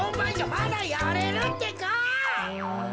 まだやれるってか。